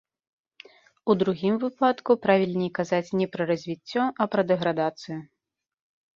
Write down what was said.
У другім выпадку правільней казаць не пра развіццё, а пра дэградацыю.